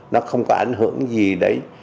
nó không có ảnh hưởng gì đấy